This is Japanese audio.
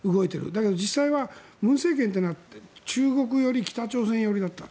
だけど実際は文政権というのは中国寄り北朝鮮寄りだった。